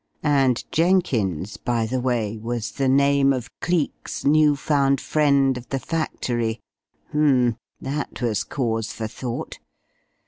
And Jenkins, by the way, was the name of Cleek's new found friend of the factory. H'm. That was cause for thought.